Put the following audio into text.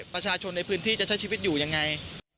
ประชาชนในพื้นที่จะใช้ชีวิตอยู่ยังไง